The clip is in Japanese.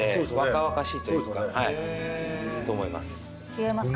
違いますか？